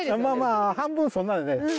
まあまあ半分そんなんやね。